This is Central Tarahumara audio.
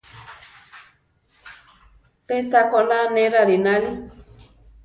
Pé taá koná ne rarináli.